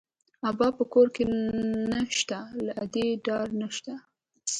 ابا په کور نه شته، له ادې ډار نه شته